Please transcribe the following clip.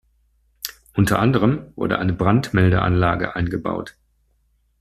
Unter anderem wurde eine Brandmeldeanlage einbaut.